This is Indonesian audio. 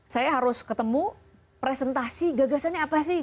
saya harus ketemu presentasi gagasannya apa sih